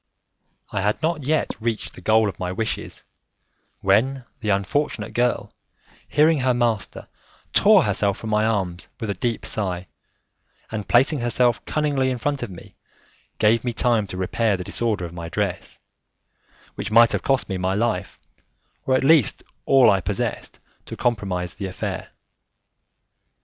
I had not yet reached the goal of my wishes, when the unfortunate girl, hearing her master, tore herself from my arms with a deep sigh, and placing herself cunningly in front of me, gave me time to repair the disorder of my dress, which might have cost me my life, or at least all I possessed to compromise the affair.